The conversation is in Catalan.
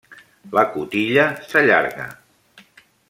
La cotilla s'allarga.